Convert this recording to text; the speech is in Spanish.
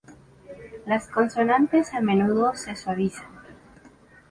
Las consonantes a menudo se suavizan.